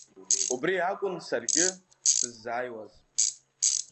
Убри акәын саргьы сыззааиуаз.